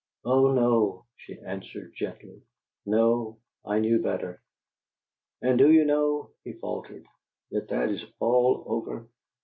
"Oh no!" she answered, gently. "No. I knew better." "And do you know," he faltered, "that that is all over?